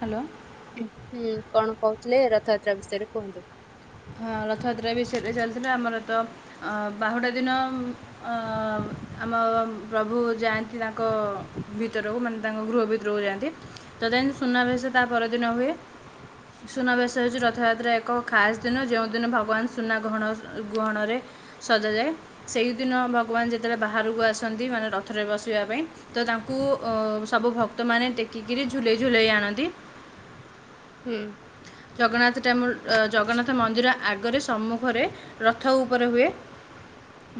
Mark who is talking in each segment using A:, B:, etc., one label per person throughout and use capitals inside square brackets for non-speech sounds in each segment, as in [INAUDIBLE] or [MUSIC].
A: Hello
B: ହୁଁ କଣ କହୁଥିଲେ ରଥଯାତ୍ରା ବିଷୟରେ କୁହନ୍ତୁ,
A: ହଁ ରଥଯାତ୍ରା ବିଷୟରେ ଚାଲିଥିଲା ଆମର ତ ବାହୁଡ଼ା ଦିନ ଆମ ପ୍ରଭୁ ଯାଆନ୍ତି, ତାଙ୍କ ଭିତରକୁ ମାନେ ତାଙ୍କ ଗୃହ ଭିତରକୁ ଯାଆନ୍ତି, ତ ଦେନ ସୁନାବେଶ ତା ପରଦିନ ହୁଏ ସୁନାବେଶ ହେଉଛି, ରଥଯାତ୍ରା ଏକ ଖାସ୍ ଦିନ ଯେଉଁଦିନ ଭଗବାନ ସୁନା ଗହଣ ଗହଣରେ ସଜାଯାଏ, ସେହିଦିନ ଭଗବାନ ଯେତେବେଳେ ବାହାରକୁ ଆସନ୍ତି ମାନେ ରଥରେ ବସିବା ପାଇଁ ତ ତାଙ୍କୁ ସବୁ ଭକ୍ତମାନେ ଟେକିକିରି ଝୁଲେଇ ଝୁଲେଇ ଆଣନ୍ତି
B: ହଁ
A: ଜଗନ୍ନାଥ ଜଗନ୍ନାଥ ମନ୍ଦିର ଆଗରେ ସମ୍ମୁଖରେ ରଥ ଉପରେ ହୁଏ,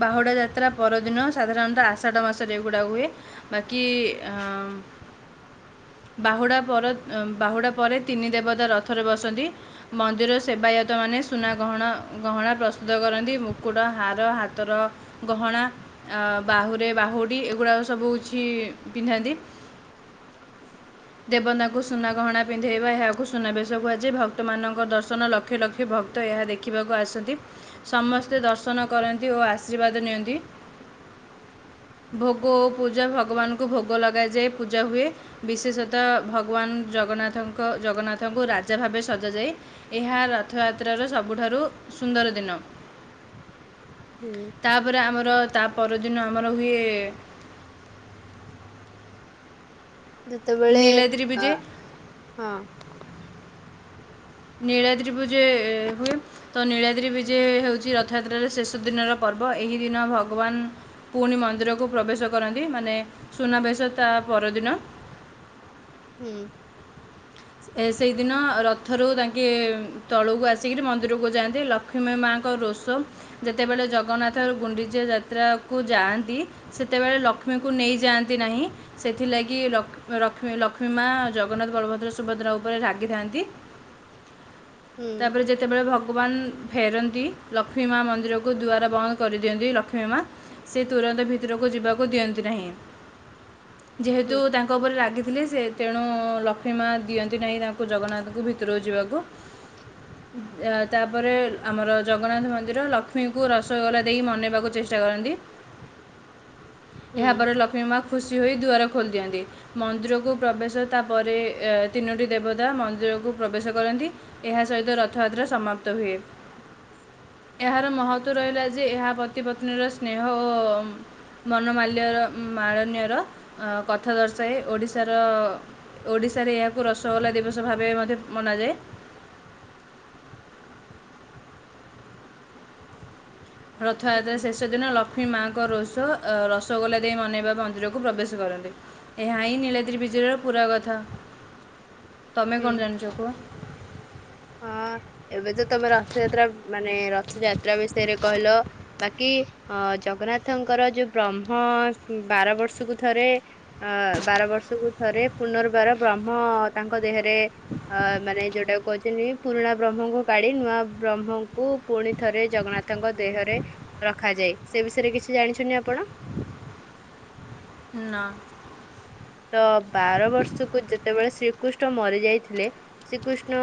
A: ବାହୁଡ଼ା ଯାତ୍ରା ପରଦିନ ସାଧାରଣତଃ ଆଷାଢ ମାସରେ ଏଗୁଡ଼ା ହୁଏ, ବାକି ବାହୁଡ଼ା ପର ବାହୁଡ଼ା ପରେ ତିନି ଦେବତା ରଥ ରଥରେ ବସନ୍ତି ମନ୍ଦିର ସେବାୟତ ମାନେ ସୁନା ଗହଣା ପ୍ରସ୍ତୁତ କରନ୍ତି ମୁକୁଟ, ହାର, ହାତର ଗହଣା, ବାହୁରେ ବାହୁଡ଼ି ଏଗୁଡାକ ସବୁ କିଛି ପିନ୍ଧନ୍ତି, ଦେବତାଙ୍କୁ ସୁନା ଗହଣା ପିନ୍ଧ ଇବା ଏହାକୁ ସୁନାବେଶ କୁହାଯାଏ, ଭକ୍ତ ମାନଙ୍କ ଦର୍ଶନ ଲକ୍ଷ ଲକ୍ଷେ ଭକ୍ତ ଏହା ଦେଖିବାକୁ ଆସନ୍ତି ସମସ୍ତେ ଦର୍ଶନ କରନ୍ତି ଓ ଆଶୀର୍ବାଦ ନିଅନ୍ତି, ଭୋଗ ଓ ପୂଜା ଭଗବାନଙ୍କୁ ଭୋଗ ଲଗାଯାଏ ପୂଜା ହୁଏ, ବିଶେଷତଃ ଭଗବାନ ଜଗନ୍ନାଥଙ୍କ ଜଗନ୍ନାଥଙ୍କୁ ରା ରାଜା ଭାବେ ସଜାଯାଏ ଏହା ରଥଯାତ୍ରାର ସବଠାରୁ ସୁନ୍ଦର ଦିନ।
B: ହୁଁ
A: ତାପରେ ଆମର ତା ପରଦିନ ଆମର ହୁଏ
B: ଯେତେବେଳେ
A: ନୀଳାଦ୍ରି
B: ଅ
A: ବିଜେ
B: ହଁ
A: ନୀଳାଦ୍ରି ବିଜେ ହୁଏ, ତ ନୀଳାଦ୍ରି ପ ବୀଜେ ହେଉଛି ରଥଯାତ୍ରାର ଶେଷ ଦିନର ପର୍ବ ଏହି ଦିନ ଭଗବାନ ପୁଣି ମନ୍ଦିରକୁ ପ୍ରବେଶ କରନ୍ତି, ମାନେ ସୁନାବେଶ ତା ପରଦିନ
B: ହୁଁ
A: ସେଇଦିନ ରଥରୁ ତାଙ୍କେ ତଳକୁ ଆସିକିରି ମନ୍ଦିରକୁ ଯାଆନ୍ତି, ଲକ୍ଷ୍ମୀ ମାଙ୍କ ରୋଷ ଯେତେବେଳେ ଜଗନ୍ନାଥ ଗୁଣ୍ଡିଚ ଯାତ୍ରାକୁ ଯାଆନ୍ତି, ସେତେବେଳେ ଲକ୍ଷ୍ମୀଙ୍କୁ ନେଇଯାଆନ୍ତି, ନାହିଁ, ସେଥିଲାଗି ଲକ୍ଷ୍ମୀ ମା ଜଗନ୍ନାଥ ବଳଭଦ୍ର, ସୁ ସୁଭଦ୍ରା ଉପରେ ରାଗିଥାନ୍ତି [INAUDIBLE]
B: ହୁଁ
A: [INAUDIBLE] ତାପରେ ଯେତେବେଳେ ଭକ୍ତ ଭଗବାନ ଫେରନ୍ତି, ଲକ୍ଷ୍ମୀ ମା ମନ୍ଦିରକୁ ଦୁଆର ବନ୍ଦ କରିଦିଅନ୍ତି ଲକ୍ଷ୍ମୀ ମା ସେ ତୁରନ୍ତ ଭିତରକୁ ଯିବାକୁ ଦିଅନ୍ତି ନାହିଁ। ଯେହେତୁ
B: ହୁଁ
A: ତାଙ୍କ ଉପରେ ରାଗି ଥିଲେ ସେ ତେଣୁ ଲକ୍ଷ୍ମୀମା ଦିଅନ୍ତି ନାହିଁ ତାଙ୍କୁ ଜଗନ୍ନାଥଙ୍କୁ ଭିତରକୁ ଯିବାକୁ ତା ପରେ ଆମର ଜଗନ୍ନାଥ ମନ୍ଦିର ଲକ୍ଷ୍ମୀଙ୍କୁ ରସଗୋଲା ଦେଇ ମନେଇ ବାକୁ ଚେଷ୍ଟା କରନ୍ତି।
B: ହୁଁ
A: ଏହା ପରେ ଲକ୍ଷ୍ମୀ ମା ଖୁସି ହୋଇ ଦୁଆର ଖୋଲିଦିଅନ୍ତି, ମନ୍ଦିରକୁ ପ୍ରବେଶ ତାପରେ ତିନୋଟି ଦେବତା ମନ୍ଦିରକୁ ପ୍ରବେଶ କରନ୍ତି, ଏହା ସହିତ ରଥଯାତ୍ରା ସମାପ୍ତ ହୁଏ, ଏହାର ମହତ୍ଵ ରହିଲା ଯେ ଏହା ପତି ପତ୍ନୀର ସ୍ନେହ ଓ ମନମାଲ୍ୟର ମାଳନ୍ୟର କଥା ଦର୍ଶାଏ ଓଡ଼ିଶାର ଓଡ଼ିଶାରେ ଏହା କୁ ରସଗୋଲା ଦିବସ ଭାବେ ମଧ୍ୟ ମନାଯାଏ। ରଥଯାତ୍ରା
B: ହୁଁ
A: ଶେଷ ଦିନ ଲକ୍ଷ୍ମୀ ମାଙ୍କ ରୋଷ ରସଗୋଲା ଦେଇ ମନେଇବା ମନ୍ଦିରକୁ ପ୍ରବେଶ କରନ୍ତି ଏହା ହିଁ ନୀଳତ୍ରି ବୀଜର ପୁରା କଥା। ତମେ
B: ହୁଁ
A: କଣ ଜାଣିଛ କୁହ?
B: ହଁ ଏବେ ତ ତମେ ରଥଯାତ୍ରା ମାନେ ରଥଯାତ୍ରା ବିଷୟରେ କହିଲ ବାକି ଅ ଜଗନ୍ନାଥଙ୍କର ଯୋଉ ବ୍ରହ୍ମ ବାର ବର୍ଷକୁ ଥରେ ଅ ବାର ବର୍ଷକୁ ଥରେ ପୁନର୍ବାର ବ୍ରହ୍ମ ତାଙ୍କ ଦେହରେ ଅ ମାନେ ଯୋଉଟା କୁ ତିନି ପୁରୁଣା ବ୍ରହ୍ମଙ୍କୁ କାଢ଼ି ନୂଆ ବ୍ରହ୍ମଙ୍କୁ ପୁଣି ଥରେ ଜଗନ୍ନାଥଙ୍କ ଦେହରେ ରଖାଯାଏ ସେ ବିଷୟରେ କିଛି ଜାଣିଛଛନ୍ତି ଆପଣ?
A: ନା।
B: ତ ବାର ବର୍ଷକୁ, ଯେତେବେଳେ ଶ୍ରୀକୃଷ୍ଣ ମରି ଯାଇଥିଲେ, ଶ୍ରୀକୃଷ୍ଣ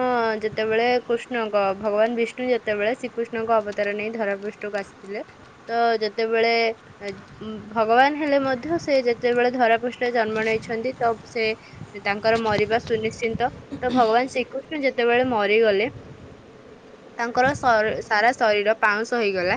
B: ଯେତେବେଳେ କୃଷ୍ଣଙ୍କ ଭଗବାନ ବିଷ୍ଣୁ, ଯେତେବେଳେ ଶ୍ରୀକୃଷ୍ଣଙ୍କ ଅବତାର ନେଇ ଧରା ପୃଷ୍ଠକୁ ଆସିଥିଲେ, ତ ଯେତେବେଳେ ଭଗବାନ ହେଲେ, ମଧ୍ୟ ସେ ଯେତେବେଳେ ଧରାପୃଷ୍ଠରେ ଜନ୍ମ ନେଇ ଛନ୍ତି, ତ ସେ ତାଙ୍କର ମରିବା ସୁନିଶ୍ଚିନ୍ତ, ତ ଭଗବାନ ଶ୍ରୀକୃଷ୍ଣ ଯେତେବେଳେ ମରିଗଲେ, ତାଙ୍କର ସାରା ଶରୀର ପାଉଁଶ ହେଇଗଲା,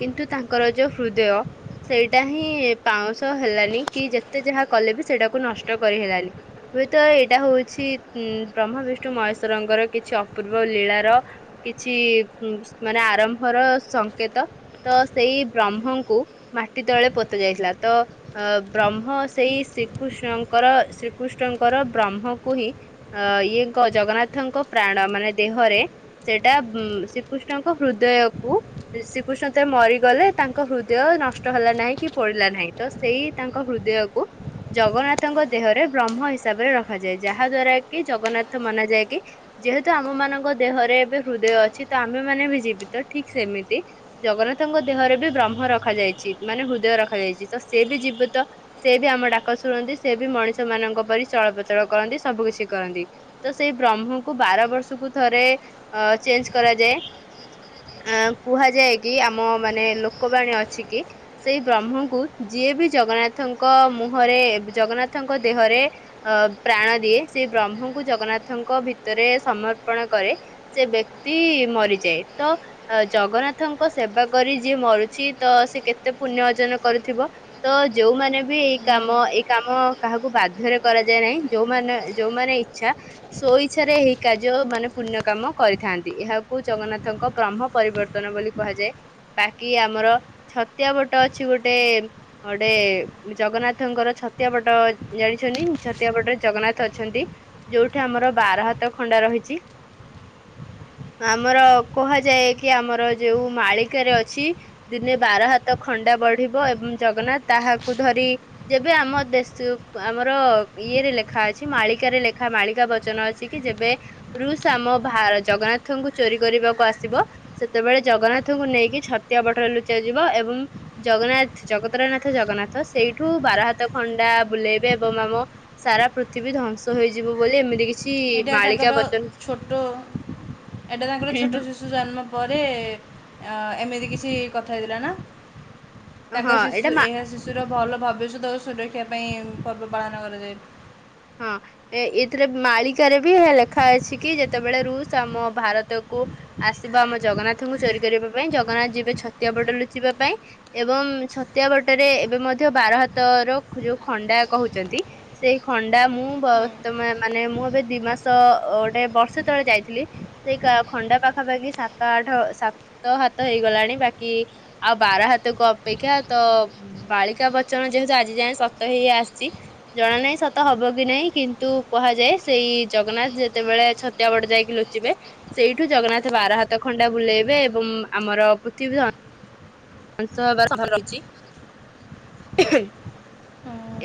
B: କିନ୍ତୁ ତାଙ୍କର ଯୋଉ ହୃଦୟ ସେଇଟା ହିଁ ପାଉଁଶ ହେଲାନି, କି ଯେତେ ଯାହା କଲେ ବି ସେଇଟା କୁ ନଷ୍ଟ କରି ହେଲାନି, ହୁଏତ ଏଇଟା ହଉଛି ଉ ବ୍ରହ୍ମା, ବିଷ୍ଣୁ, ମହେଶ୍ଵରଙ୍କର କିଛି ଅପୂର୍ବ ଲୀଳାର କିଛି ମାନେ ଆରମ୍ଭର ସଂକେତ, ତ ସେଇ ବ୍ରହ୍ମଙ୍କୁ ମାଟି ତଳେ ପୋତା ଯାଇଥିଲା, ତ ବ୍ରହ୍ମ ସେଇ କୃଷ୍ଣଙ୍କର ଶ୍ରୀକୃଷ୍ଣଙ୍କର ବ୍ରହ୍ମକୁ ହିଁ, ଇଏ ଜଗନ୍ନାଥଙ୍କ ପ୍ରାଣ ମାନେ ଦେହରେ ସେଇଟା, ଶ୍ରୀକୃଷ୍ଣଙ୍କ ହୃଦୟକୁ ଶ୍ରୀକୃଷ୍ଣ ତ ମରିଗଲେ, ତାଙ୍କ ହୃଦୟ ନଷ୍ଟ ହେଲା ନାହିଁ, କି ପୋଡିଲା ନାହିଁ, ତ ସେଇ ତାଙ୍କ ହୃଦୟକୁ ଜଗନ୍ନାଥଙ୍କ ଦେହରେ ବ୍ରହ୍ମ ହିସାବରେ ରଖାଯାଏ, ଯାହା ଦ୍ଵାରା କି ଜଗନ୍ନାଥ ମନାଯାଏ କି, ଯେହେତୁ ଆମ ମାନଙ୍କ ଦେହରେ ଏବେ ହୃଦୟ ଅଛି, ତ ଆମେ ମାନେ ବି ଜୀବିତ, ଠିକ ସେମିତି ଜଗନ୍ନାଥଙ୍କ ଦେହରେ ବି ବ୍ରହ୍ମ ରଖାଯାଇଛି, ମାନେ ହୃଦୟ ରଖାଯାଇଛି, ତ ସେ ବି ଜୀବିତ ସେ ବି ଆମ ଡା ଡାକ ଶୁଣନ୍ତି, ସେ ବି ମଣିଷ ମାନଙ୍କ ପରି ଚଳ ପ୍ରଚଳ କରନ୍ତି, ସବୁ କିଛି କରନ୍ତି, ତ ସେଇ ବ୍ରହ୍ମକୁ ବାର ବର୍ଷକୁ ଥରେ ଅ ଚେଞ୍ଜ କରାଯାଏ, ଅ କୁହାଯାଏ କି ଆମ ମାନେ ଲୋକବାଣୀ ଅଛି, କି ସେଇ ବ୍ରହ୍ମକୁ ଯିଏ ବି ଜଗନ୍ନାଥଙ୍କ ମୁ ମୁହଁରେ ଜଗନ୍ନାଥଙ୍କ ଦେହରେ ଅ ପ୍ରାଣ ଦିଏ, ସେ ବ୍ରହ୍ମଙ୍କୁ ଜଗନ୍ନାଥଙ୍କ ଭିତରେ ସମର୍ପଣ କରେ, ସେ ବ୍ୟକ୍ତି ମରିଯାଏ, ତ ଜଗନ୍ନାଥଙ୍କ ସେବା କରି ଯିଏ ମରୁଛି, ତ ସେ କେତେ ପୁଣ୍ୟ ଅର୍ଜନ କରୁଥିବ, ତ ଯୋଉମାନେ ବି ଏଇ କାମ ଏ କାମ କାହାକୁ ବାଧ୍ୟରେ କରାଯାଏ ନାହିଁ, ଯୋଉମାନେ, ଯୋଉମାନେ ଇଚ୍ଛା ସୋ ଇଚ୍ଛାରେ ଏହି କାର୍ଯ୍ୟ ମାନେ ପୁଣ୍ୟ କାମ କରିଥାନ୍ତି, ଏହାକୁ ଜଗନ୍ନାଥଙ୍କ ବ୍ରହ୍ମ ପରିବର୍ତ୍ତନ ବୋଲି କୁହାଯାଏ, ବାକି ଆମର ଛତିଆ ବଟ ଅଛି ଗୋଟେ, ଗୋଟେ ଜଗନ୍ନାଥ ଙ୍କର ଛତିଆ ବଟ ଜାଣିଛନ୍ତି, ଛତିଆ ବଟରେ ଜଗନ୍ନାଥ ଅଛନ୍ତି, ଯୋଉଠି ଆମର ବାର ହାତ ଖଣ୍ଡା ରହିଛି, ଆମର କୁହାଯାଏ କି ଆମର ଯୋଉ ମାଳିକାରେ ଅଛି, ଦିନେ ବାର ହାତ ଖଣ୍ଡା ବଢିବ ଏବଂ ଜଗନ୍ନାଥ ତାହାକୁ ଧରି ଯେବେ ଆମ ଦେଶ ଆମର ଇଏରେ ଲେଖା ଅଛି, ମାଳିକାରେ ଲେଖା ମାଳିକା ବଚନ ଅଛି କି ଯେବେ ରୁଷ ଆମ ଭାର ଜଗନ୍ନାଥଙ୍କୁ ଚୋରି କରିବାକୁ ଆସିବ, ସେତେବେଳେ ଜଗନ୍ନାଥଙ୍କୁ ନେଇକି ଛତିଆ ବଟରେ ଲୁଚା ଯିବ ଏବଂ ଜଗନ୍ନାଥ ଜଗତରନାଥ ଜଗନ୍ନାଥ ସେଇଠୁ ବାର ହାତ ଖଣ୍ଡା ବୁଲେଇବେ ଏବଂ ଆମ ସାରା ପୃଥିବୀ ଧ୍ୱଂସ ହୋଇଯିବ ବୋଲି ଏମିତି କି
A: ଏଇଟା ତାଙ୍କର ଛୋଟ, ଏଇଟା ତାଙ୍କର ଛୋଟ ଶିଶୁ ଜନ୍ମ ପରେ ଏମିତି କିଛି କଥା ହେଇଥିଲା, ନା।
B: ହଁ
A: ତାଙ୍କ
B: ଏଇଟା
A: ଶିଶୁ,
B: ମା
A: ଏହା ଶିଶୁର ଭଲ ଭବିଷ୍ୟତ ଓ ସୁରକ୍ଷା ପାଇଁ ପର୍ବ ପାଳନ କରାଯାଏ।
B: ହଁ, ଏ ଏଥିରେ ମାଳିକାରେ ବି ଲେଖା ଅଛି, କି ଯେତେବେଳେ ରୁଷ ଆମ ଭାରତକୁ ଆସିବ, ଆମ ଜଗନ୍ନାଥଙ୍କୁ ଚୋରି କରିବା ପାଇଁ, ଜଗନ୍ନାଥ ଯିବେ ଛତିଆ ବଟ ଲୁଚିବା ପାଇଁ ଏବଂ ଛତିଆ ବଟରେ ଏବେ ମଧ୍ୟ ବାର ହାତ ର ଯୋଉ ଖଣ୍ଡା କହୁଛନ୍ତି, ସେଇ ଖଣ୍ଡା ମୁଁ ବର୍ତ୍ତ ମାନେ ମୁଁ ଏବେ ଦି ମାସ ଗୋଟେ ବର୍ଷେ ତଳେ ଯାଇଥିଲି, ସେଇ ଖଣ୍ଡା ପାଖାପାଖି ସାତ, ଆଠ ସାତ ହାତ ହେଇଗଲାଣି, ବାକି ଆଉ ବାର ହାତ କୁ ଅପେକ୍ଷା ତ ବାଳିକା ବଚନ ଯେହେତୁ ଆଜି ଯାଏ ସତ ହେଇ ଆସିଛି ଜଣା ନାହିଁ ତ ତ ହବ କି ନାହିଁ, କିନ୍ତୁ କୁହାଯାଏ ସେଇ ଜଗନ୍ନାଥ ଯେତେବେଳେ ଛତିଆ ବଟ ଯାଇକି ଲୁଚିବେ, ସେଇଠୁ ଜଗନ୍ନାଥ ବାର ହାତ ଖଣ୍ଡା ବୁଲେଇବେ ଏବଂ ଆମର ପୃଥିବୀ ଧ୍ୱ ମାଂସ ହେବାର ସମ୍ଭାବନା ରହିଛି।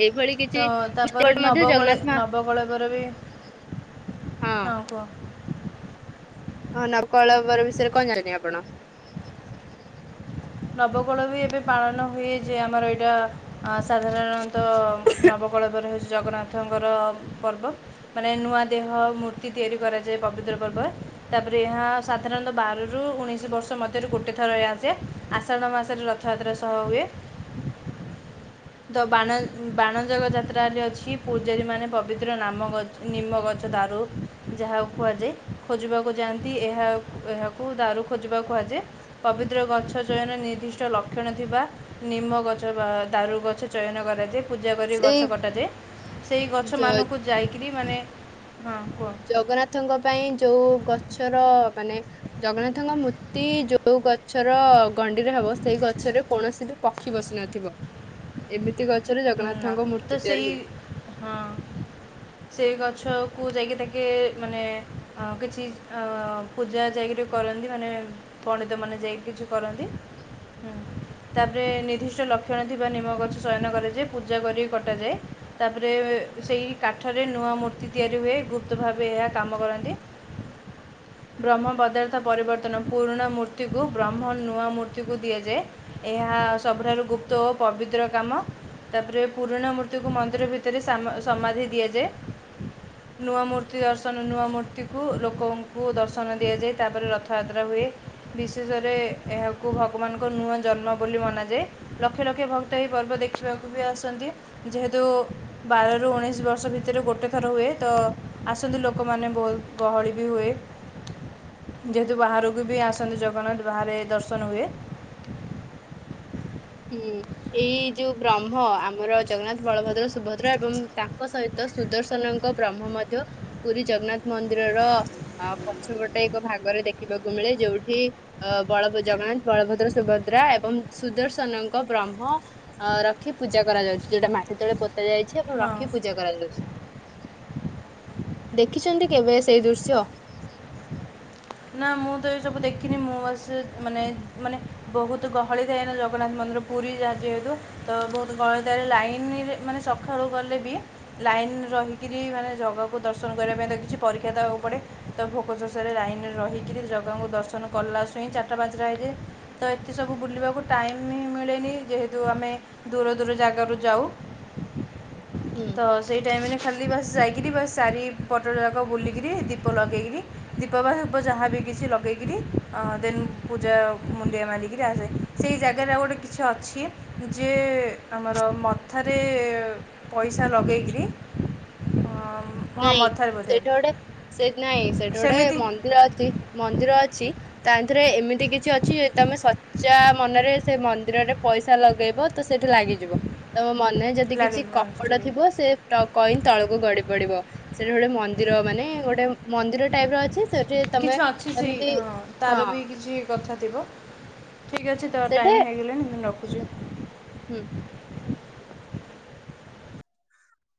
B: ଏଇଭଳି କିଛି
A: ତ ତାପରେ
B: [UNINTELLIGIBLE] ମଧ୍ୟ
A: ନବକଳେ
B: ଜଗନ୍ନାଥ ମା
A: ନବକଳେବର ବି ହଁ, କୁହ।
B: ଅ ନ କଳେବର ବିଷୟ ରେ କଣ ଜାଣିଛନ୍ତି, ଆପଣ?
A: ନବକୋଳ ବି ଏବେ ପାଳନ ହୁଏ, ଯେ ଆମର ଏଇଟା ସାଧାରଣତଃ ନବକଳେବର ହେଉଛି, ଜଗନ୍ନାଥଙ୍କର ପର୍ବ ମାନେ ନୂଆ ଦେହ ମୂର୍ତ୍ତି ତିଆରି କରାଯାଏ, ପବିତ୍ର ପର୍ବ ତାପରେ ଏହା ସାଧାରଣତଃ ବାରରୁ, ଉଣେଇଶ ବର୍ଷ ମଧ୍ୟରୁ ଗୋଟେ ଥର ଏ ଆସେ। ଆଷାଢ ମାସରେ ରଥଯାତ୍ରା ସହ ହୁଏ। ଦ ବାଣଜାଗ ଯାତ୍ରାରେ ଅଛି, ପୂଜାରୀମାନେ ପବିତ୍ର ନାମ ଗଛ, ନିମ୍ମ ଗଛ ଦାରୁ ଯାହାକୁ କୁହାଯାଏ, ଖୋଜିବାକୁ ଯାଆନ୍ତି, ଏହା ଏହାକୁ ଦାରୁ ଖୋଜିବା କୁହାଯାଏ, ପବିତ୍ର ଗଛ ଚୟନ ନିର୍ଦ୍ଦିଷ୍ଟ ଲକ୍ଷଣ ଥିବା ନିମ ଗଛ ବା ଦାରୁଗଛ ଛ ଚୟନ କରାଯାଏ। ପୂଜା କରି
B: ସେଇ
A: ଗଛ କଟାଯାଏ, ସେଇ
B: ଜ
A: ଗଛମାନଙ୍କୁ ଯାଇକିରି ମାନେ ହଁ କୁହ
B: ଜଗନ୍ନାଥଙ୍କ ପାଇଁ ଯୋଉ ଗଛର ମାନେ ଜଗନ୍ନାଥଙ୍କ ମୂର୍ତ୍ତି ଯୋଉ ଗଛର ଗଣ୍ଡିରେ ହବ, ସେଇ ଗଛରେ କୌଣସି ବି ପକ୍ଷୀ ବସି ନଥିବ, ଏମିତି ଗଛ ଗଛରେ
A: ନା
B: ଜଗନ୍ନାଥଙ୍କ ମୂର୍ତ୍ତି
A: ତ
B: ତିଆରି
A: ସେଇ
B: ହୁଏ।
A: ହଁ ସେ ଗଛକୁ ଯାଇକି ତାକେ ମାନେ କିଛି ପୂଜା ଯାଇକିରି କରନ୍ତି, ମାନେ ପଣ୍ଡିତମାନେ ଯାଇକି କିଛି କରନ୍ତି, ହିଁ ତାପରେ ନିର୍ଦ୍ଦିଷ୍ଟ ଲକ୍ଷଣ ଥିବା ନିମ ଗଛ ଚୟନ କରାଯାଏ। ପୂଜା କରିକି କଟାଯାଏ, ତାପରେ ସେଇ କାଠରେ ନୂଆ ମୂର୍ତ୍ତି ତିଆରି ହୁଏ, ଗୁପ୍ତ ଭାବେ ଏହା କାମ କରନ୍ତି, ବ୍ରହ୍ମ ପଦାର୍ଥ ପରିବର୍ତ୍ତନ ପୁରୁଣା ମୂର୍ତ୍ତିକୁ ବ୍ରହ୍ମ ନୂଆ ମୂର୍ତ୍ତିକୁ ଦିଆଯାଏ, ଏହା ସବୁଠାରୁ ଗୁପ୍ତ ଓ ପବିତ୍ର କାମ। ତାପରେ ପୁରୁଣା ମୂର୍ତ୍ତିକୁ ମନ୍ଦିର ଭିତରେ ସମାଧି ଦିଆଯାଏ, ନୂଆ ମୂର୍ତ୍ତି ଦର୍ଶନ ନୂଆ ମୂର୍ତ୍ତିକୁ ଲୋକଙ୍କୁ ଦର୍ଶନ ଦିଆଯାଏ, ତାପରେ ରଥଯାତ୍ରା ହୁଏ, ବିଶେଷରେ ଏହାକୁ ଭଗବାନଙ୍କ ନୂଆ ଜନ୍ମ ବୋଲି ମନାଯାଏ, ଲକ୍ଷ ଲକ୍ଷ ଭକ୍ତ ଏହି ପର୍ବ ଦେଖିବାକୁ ବି ଆସନ୍ତି ଯେହେତୁ ବାରରୁ ଉଣେଇଶ ବର୍ଷ ଭିତରେ ଗୋଟେ ଥର ହୁଏ, ତ ଆସନ୍ତି ଲୋକମାନେ ବହୁତ ଗହଳି ବି ହୁଏ, ଯେହେତୁ ବାହାରକୁ ବି ଆସନ୍ତି, ଜଗନ୍ନାଥ ବାହାରେ ଦର୍ଶନ ହୁଏ।
B: ହୁଁ, ଏଇ ଯୋଉ ବ୍ରହ୍ମ, ଆମର ଜଗନ୍ନାଥ ବଳଭଦ୍ର ସୁଭଦ୍ରା ଏବଂ ତାଙ୍କ ସହିତ ସୁଦର୍ଶନଙ୍କ ବ୍ରହ୍ମ ମଧ୍ୟ ପୁରୀ ଜଗନ୍ନାଥ ମନ୍ଦିରର ପଛପଟେ ଏକ ଭାଗରେ ଦେଖିବାକୁ ମିଳେ, ଯୋଉଠି ବଳ ଜଗନ୍ନାଥ, ବଳଭଦ୍ର, ସୁଭଦ୍ରା ଏବଂ ସୁଦର୍ଶନଙ୍କ ବ୍ରହ୍ମ ଅ ରଖି ପୂଜା କରାଯାଉଛି, ଯୋଉଟା ମାଟି ତଳେ ପୋ ଯାଇଛି, ଆଉ ପୁଣି
A: ହଁ
B: ରଖି ପୂଜା କରାଯାଉଛି। ଦେଖିଛନ୍ତି କେବେ ସେଇ ଦୃଶ୍ୟ?
A: ନା, ମୁଁ ତ ଏ ସବୁ ଦେଖିନି, ମୁଁ ବାସ ମାନେ, ମାନେ ବହୁତ ଗହଳି ଥାଏ, ନା ଜଗନ୍ନାଥ ମନ୍ଦିର ପୁରୀ ଯାହା ଯେହେତୁ ତ ବହୁତ ଗହଳି ଥାଏ, ଲାଇନରେ ମାନେ ସକାଳୁ ଗଲେ ବି ଲାଇନ ରହିକିରି ମାନେ ଜଗାକୁ ଦର୍ଶନ କରିବା ପାଇଁ ତ କିଛି ପରୀକ୍ଷା ଦେବାକୁ ପଡ଼େ, ତ ଭୋକ ଶୋଷ ରେ ଲାଇନ ରହିକିରି ଜଗାଙ୍କୁ ଦର୍ଶନ କଲାସୁଇଁ ଚାରିଟା, ପାଞ୍ଚଟା ହେଇଯାଏ, ତ ଏତ ସବୁ ବୁଲିବାକୁ ଟାଇମ୍ ହିଁ ମିଳେନି, ଯେହେତୁ ଆମେ ଦୂର, ଦୂର ଜାଗାରୁ ଯାଉ।
B: ହୁଁ।
A: ତ ସେଇ ଟାଇମ ରେ ଖାଲି ବାସ୍ ଯାଇକିରି ବସ୍ ଚାରି ପଟ ଯାକ ବୁଲିକିରି ଦୀପ ଲଗେଇକିରି ଦୀପ ବାହା ପ ଯାହା ବି କିଛି ଲଗେଇକିରି ଅ ଦେନ୍ ପୂଜା ମୁଣ୍ଡିଆ ମାରିକିରି ଆସଯାଏ ସେଇ ଜାଗାରେ ଆଉ ଗୋଟେ କିଛି ଅଛି ଯିଏ ଆମର ମଥାରେ ପଇସା ଲଗେଇକିରି ଅ
B: ନାଇଁ ସେଇଠି ଗୋଟେ ସେ ନାଇଁ ସେଇଠି ଗୋଟେ
A: ସେମିତି
B: ମନ୍ଦିର ଅ ଛି ମନ୍ଦିର ଅଛି ତା ରେ ଏମିତି କିଛି ଅଛି ତମେ ସଚା ମନରେ ସେ ମନ୍ଦିରରେ ପଇସା ଲଗେଇବ ତ ସେଇଠି ଲାଗିଯିବ ତମ ମନରେ ଯଦି କିଛି କପଟ
A: ଲାଗିଲି
B: ଥିବ ସେ ପ କଏନ ତଳକୁ ଗଡି ପଡ଼ିବ। ସେଇଠି ଗୋଟେ ମନ୍ଦିର ମାନେ ଗୋଟେ ମନ୍ଦିର ଟାଇପର ଅଛି ସେ
A: କିଛି ଅଛି ସେଇ ଅଁ ତାର ବି କିଛି କଥା ଥିବ। ଠିକ ଅଛି ତ
B: ସେଠି
A: ଟାଇମ ହେଇ ଗଲାଣି ମୁଁ ର ରଖୁଚି
B: ହୁଁ।